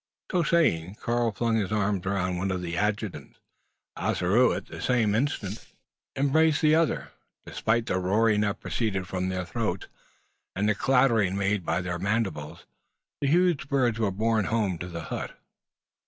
So saying, Karl flung his arms around one of the adjutants. Ossaroo at the same instant embraced the other; and, despite the roaring that proceeded from their throats, and the clattering made by their mandibles, the huge birds were borne home to the hut.